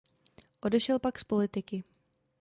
Odešel pak z politiky.